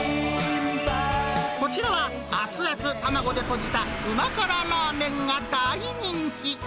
こちらは、熱々卵でとじたうま辛ラーメンが大人気。